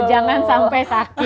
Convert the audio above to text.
jangan sampai sakit